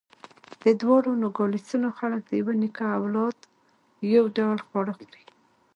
د دواړو نوګالسونو خلک د یوه نیکه اولاد، یو ډول خواړه خوري.